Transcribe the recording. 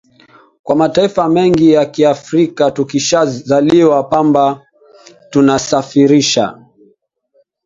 kwa mataifa mengi ya kiafrika tukishazalisha pamba tunaisafirisha